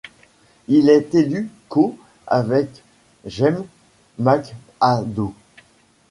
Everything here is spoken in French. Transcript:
Il est élu co-' avec James McAdoo.